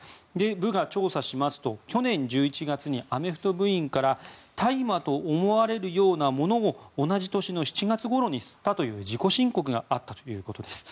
部が調査しますと去年１１月にアメフト部員から大麻と思われるようなものを同じ年の７月ごろに吸ったという自己申告があったということです。